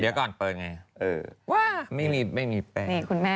เดี๋ยวก่อนเปิดไงไม่ไม่มีแปลงของคุณแม่อ่ะ